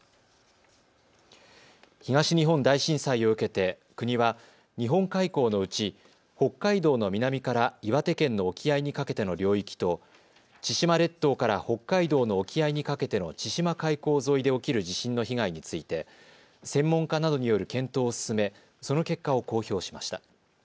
東日本大震災を受けて国は日本海溝のうち北海道の南から岩手県の沖合にかけての領域と千島列島から北海道の沖合にかけての千島海溝沿いで起きる地震の被害について専門家などによる検討を進めその結果を公表しました。